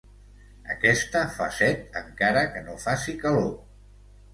Aquesta fa set encara que no faci calor.